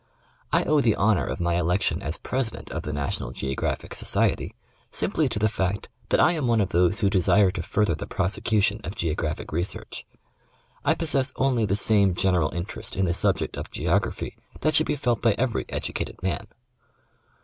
I owe the honor of my election as Pi'esident of the National Geographic Society simply to the fact that I am one of those who desire to further the prosecution of geographic research, I possess only the same general interest in the subject of geog raphy that should be felt by every educated man.